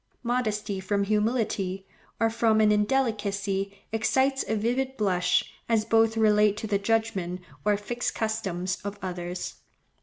Modesty from humility, or from an indelicacy, excites a vivid blush, as both relate to the judgment or fixed customs of others.